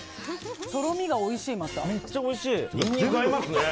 とろみがおいしい。